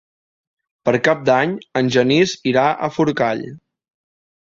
Per Cap d'Any en Genís irà a Forcall.